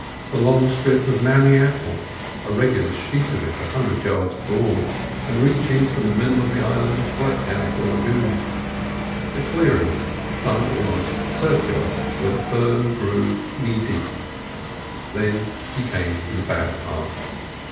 The long strip of mammee apple—a regular sheet of it a hundred yards broad, and reaching from the middle of the island right down to the lagoon. The clearings, some almost circular where the ferns grew knee deep. Then he came to the bad part.